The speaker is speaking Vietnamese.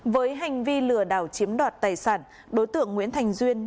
với hành vi lừa đảo chiếm đoạt tài sản đối tượng nguyễn thành duyên